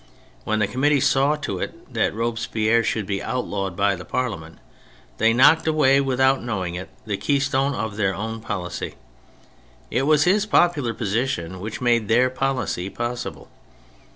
When the Committee saw to it that Robespierre should be outlawed by the Parliament, they knocked away, w^ithout knowing it, the keystone of their own policy; it was his popular position which made their policy possible.